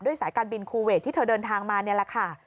สายการบินคูเวทที่เธอเดินทางมานี่แหละค่ะ